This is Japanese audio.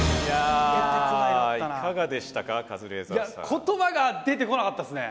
言葉が出てこなかったっすね！